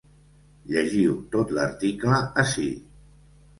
Llegiu tot l’article ací.